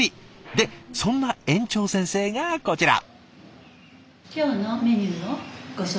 でそんな園長先生がこちら。